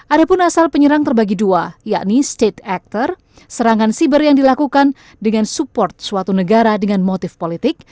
ada pun asal penyerang terbagi dua yakni state actor serangan siber yang dilakukan dengan support suatu negara dengan motif politik